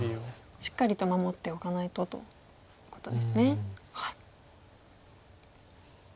しっかりと守っておかないとということですね。